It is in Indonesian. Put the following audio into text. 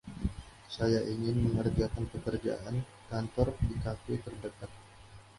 saya ingin mengerjakan pekerjaan kantor di kafe terdekat